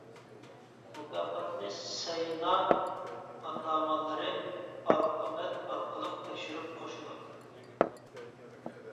مۇكاپاتنى سەينا ئاتامانلىرى ئارقا بەت ئارقىلىق تەكشۈرۈپ قوشىدۇ.